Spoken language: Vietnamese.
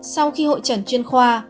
sau khi hội trần chuyên khoa